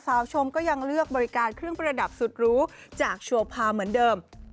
ชมก็ยังเลือกบริการเครื่องประดับสุดรู้จากโชพาเหมือนเดิม